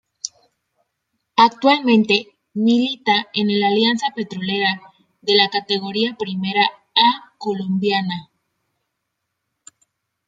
Actualmente milita en el Alianza Petrolera de la Categoría Primera A colombiana.